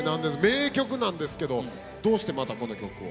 名曲なんですけどどうしてまたこの曲を？